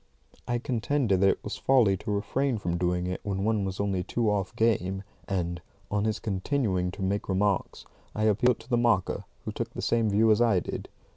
I contended that it was folly to refrain from doing it when one was only two off game, and, on his continuing to make remarks, I appealed to the marker, who took the same view as I did.